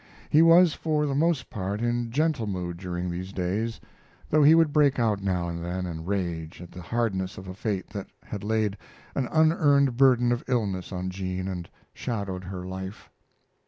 He was for the most part in gentle mood during these days, though he would break out now and then, and rage at the hardness of a fate that had laid an unearned burden of illness on Jean and shadowed her life.